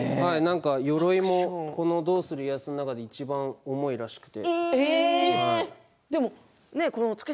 鎧も「どうする家康」の中ではいちばん重いらしくて。